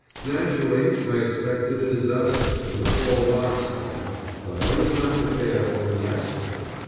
Naturally, I expected a disaster when the fall marks came, but I was not prepared for a massacre.